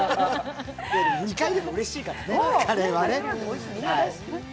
２回でもうれしいからね、カレーはね。